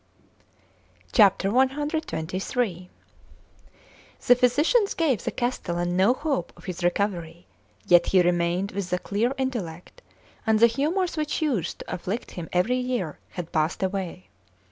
CXXIII THE PHYSICIANS gave the castellan no hope of his recovery, yet he remained with a clear intellect, and the humours which used to afflict him every year had passed away.